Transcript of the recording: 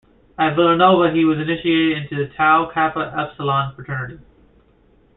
At Villanova he was initiated into the Tau Kappa Epsilon fraternity.